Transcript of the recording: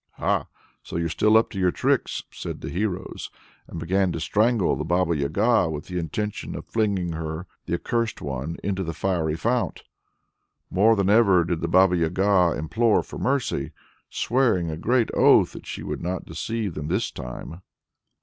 "Ha! so you're still up to your tricks," said the heroes, and began to strangle the Baba Yaga, with the intention of flinging her, the accursed one, into the fiery fount. More than ever did the Baba Yaga implore for mercy, swearing a great oath that she would not deceive them this time.